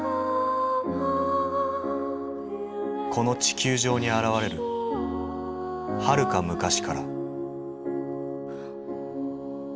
この地球上に現れるはるか昔から。